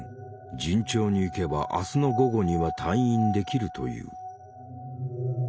順調にいけば明日の午後には退院できるという。